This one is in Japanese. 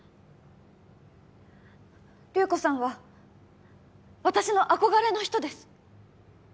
流子さんは私の憧れの人です